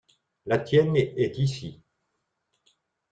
La tienne est ici.